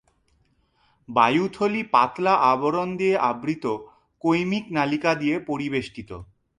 বায়ুথলি পাতলা আবরণ দিয়ে আবৃত কৈমিকনালিকা দিয়ে পরিবেষ্টিত।